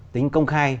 tính công khai